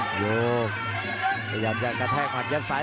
โอ้ววาลาดิเมียนั้นพยายามจะกระแทกหวัดยับซ้าย